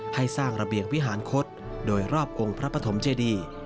ให้สร้างระเบียงวิหารคศโดยรอบกพระพธมธมเจดี